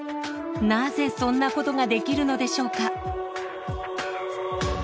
なぜそんなことができるのでしょうか？